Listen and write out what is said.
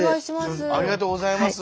ありがとうございます。